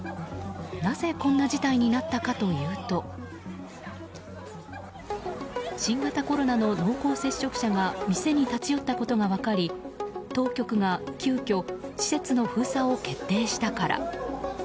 なぜ、こんな事態になったかというと新型コロナの濃厚接触者が店に立ち寄ったことが分かり当局が急きょ施設の封鎖を決定したから。